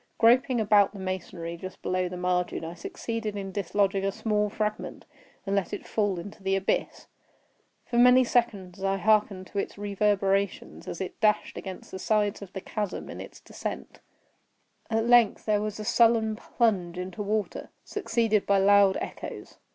Groping about the masonry just below the margin, I succeeded in dislodging a small fragment, and let it fall into the abyss. For many seconds I hearkened to its reverberations as it dashed against the sides of the chasm in its descent; at length there was a sullen plunge into water, succeeded by loud echoes.